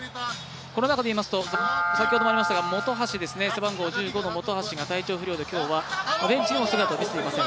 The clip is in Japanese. この中でいいますと背番号１５の本橋が体調不良で今日はベンチにも姿を見せていません。